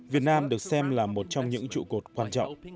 việt nam được xem là một trong những trụ cột quan trọng